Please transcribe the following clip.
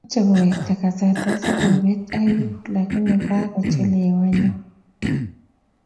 mochei kowekta kasarta si koobet aiubu lakini ka kochelewanyo